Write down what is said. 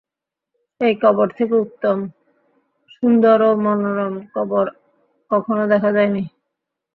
এই কবর থেকে উত্তম, সুন্দর ও মনোরম কবর কখনও দেখা যায়নি।